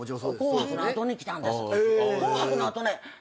『紅白』の後に来たんです。